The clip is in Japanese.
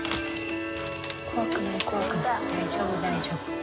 怖くない怖くない大丈夫大丈夫。